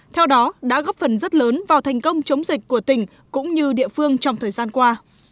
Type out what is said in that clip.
theo đó đã góp phần rất lớn vào thành công chống dịch của tỉnh cũng như địa phương trong thời gian qua